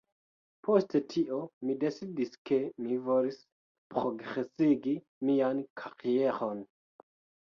Post tio, mi decidis, ke mi volis progresigi mian karieron